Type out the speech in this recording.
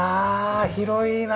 広いな！